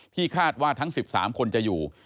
คาดว่าทั้ง๑๓คนจะอยู่